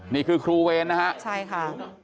นี่คือครูเวรนะฮะ